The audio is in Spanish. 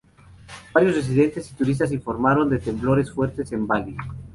Varios residentes y turistas informaron de temblores fuertes en Bali.